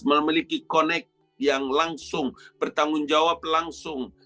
memiliki connect yang langsung bertanggung jawab langsung